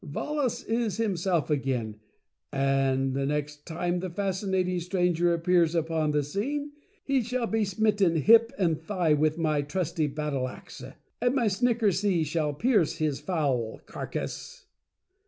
Volos is himself again, and the next time the Fascinat ing Stranger appears upon the scene, he shall be smit ten hip and thigh with my trusty battle axe, and my snickersee shall pierce his foul carcass!"